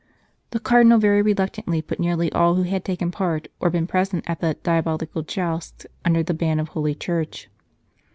The Cardinal very reluctantly put nearly all who had taken part, or been present at the " diabolical jousts," under the ban of Holy Church.